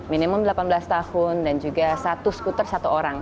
minimum delapan belas tahun dan juga satu skuter satu orang